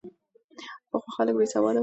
پخوا خلک بې سواده وو.